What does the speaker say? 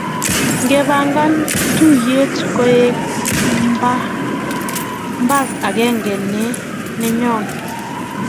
Ngepangan tuiyet koek mbar agenge ne nyonei